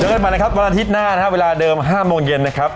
เจอกันกันมานะครับวันอาทิตย์หน้าเวลาเดิม๕โมงเย็นนะครับ